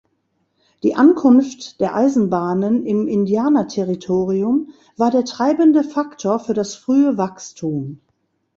Die Ankunft der Eisenbahnen im Indianerterritorium war der treibende Faktor für das frühe Wachstum.